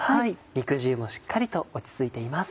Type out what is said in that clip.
肉汁もしっかりと落ち着いています。